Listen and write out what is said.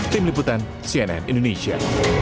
tim liputan cnn indonesia